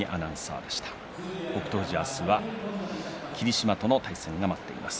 富士、明日は霧島との対戦が待っています。